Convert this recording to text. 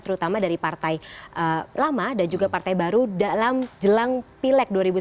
terutama dari partai lama dan juga partai baru dalam jelang pileg dua ribu sembilan belas